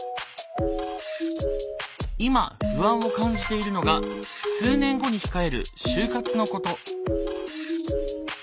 今不安を感じているのが数年後に控える就活のこと。